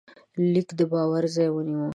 لیک د باور ځای ونیو.